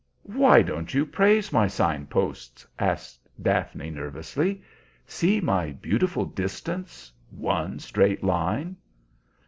"Why don't you praise my sign posts?" asked Daphne nervously. "See my beautiful distance, one straight line!"